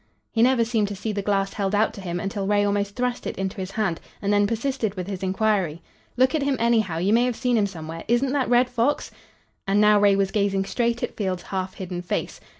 He never seemed to see the glass held out to him until Ray almost thrust it into his hand and then persisted with his inquiry. "Look at him anyhow. You may have seen him somewhere. Isn't that Red Fox?" And now Ray was gazing straight at Field's half hidden face.